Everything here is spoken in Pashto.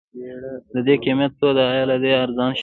ددې قيمت څو دی؟ ايا له دې ارزان شته؟